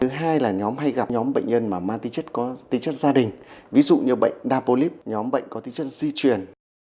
thứ hai là nhóm hay gặp nhóm bệnh nhân mà mang tính chất có tính chất gian